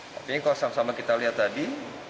tapi kalau sama sama kita lihat tadi